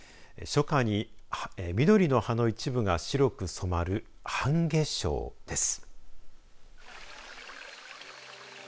初夏に、緑の葉の一部が白く染まるハンゲショウです。